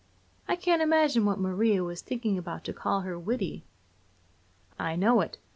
"I can't imagine what Maria was thinking about to call her witty!" "I know it.